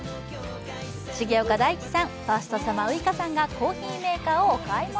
重岡大毅さん、ファーストサマーウイカさんがコーヒーメーカーをお買い物。